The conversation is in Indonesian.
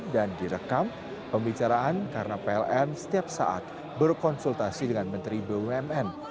dan direkam pembicaraan karena pln setiap saat berkonsultasi dengan menteri bumn